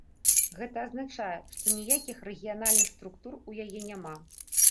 Гэта азначае, што ніякіх рэгіянальных структур у яе няма.